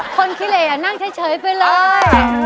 ขี้เหลนั่งเฉยไปเลย